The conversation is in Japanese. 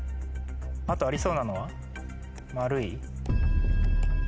あとありそうなのは「まるい」。